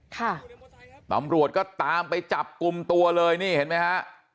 ค่ะตำรวจก็ตามไปจับกลุ่มตัวเลยนี่เห็นไหมฮะ